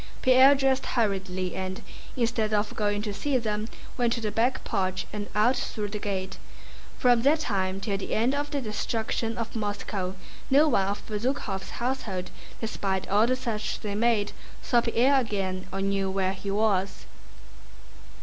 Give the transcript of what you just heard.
Pierre dressed hurriedly and, instead of going to see them, went to the back porch and out through the gate. From that time till the end of the destruction of Moscow no one of Bezúkhov's household, despite all the search they made, saw Pierre again or knew where he was.